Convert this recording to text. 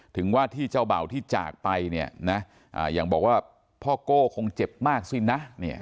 ถึงว่าที่เจ้าเบ่าที่จากไปเนี่ยนะอย่างบอกว่าพ่อโก้คงเจ็บมากสินะ